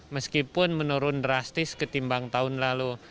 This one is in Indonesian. meskipun menurun drastis ketimbang tahun lalu